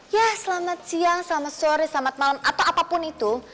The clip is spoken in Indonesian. ya selamat siang selamat sore selamat malam atau apapun itu